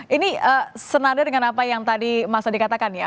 ini senadar dengan apa yang tadi masa dikatakan ya